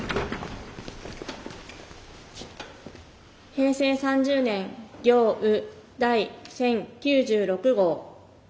平成３０年行ウ第１０９６号。